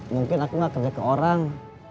mungkin aku nggak kerja ke orang